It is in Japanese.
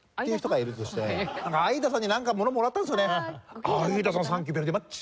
合田さんになんか物もらったんですよね。